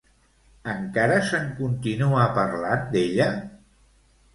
Encara se'n continua parlant, d'ella?